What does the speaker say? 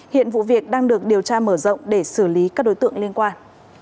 hiện vụ việc đang được điều tra mở rộng để xử lý các đối tượng liên quan